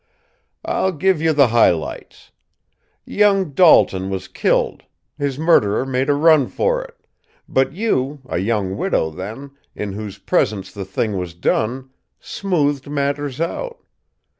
"I'll give you the high lights: young Dalton was killed his murderer made a run for it but you, a young widow then, in whose presence the thing was done, smoothed matters out.